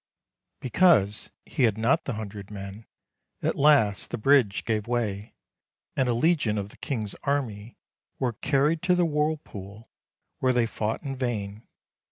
Because he had not the hundred men, at last the bridge gave way, and a legion of the King's army were carried to the whirlpool, where they fought in vain.